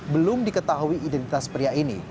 belum diketahui identitas pria ini